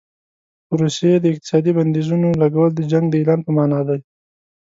په روسیې د اقتصادي بندیزونو لګول د جنګ د اعلان په معنا دي.